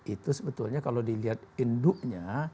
itu sebetulnya kalau dilihat induknya